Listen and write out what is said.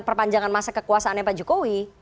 perpanjangan masa kekuasaan yang pak jokowi